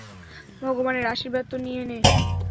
ভগবানের আশীর্বাদ তো নিয়ে নে।